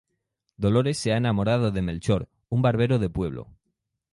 Dolores se ha enamorado de Melchor, un barbero de pueblo.